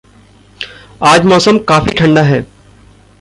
आज मौसम काफ़ी ठंडा है।